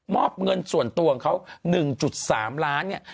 มอบเงินส่วนตัวของเขา๑๓ล้านบาท